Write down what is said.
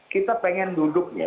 kita pengen duduknya